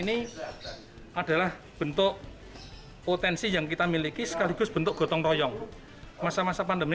ini adalah bentuk potensi yang kita miliki sekaligus bentuk gotong royong masa masa pandemi